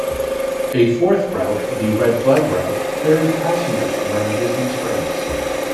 A fourth route, the red-flag route, ferries passengers around Disney Springs.